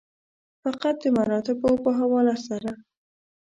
فقط د مراتبو په حواله سره.